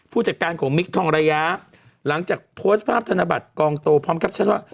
ผู้จัดการของมิคทองระยะหลังจากโพสต์ภาพธนบัตรกองโตพร้อมแคปชั่นว่า